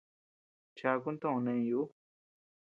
Chakun to neʼëñ uu.